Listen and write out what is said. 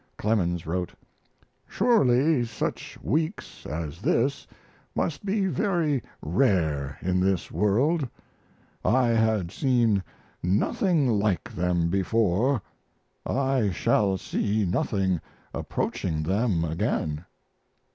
Clemens wrote: Surely such weeks as this must be very rare in this world: I had seen nothing like them before; I shall see nothing approaching them again!